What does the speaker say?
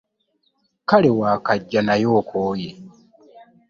Kale waakajja naye okooye!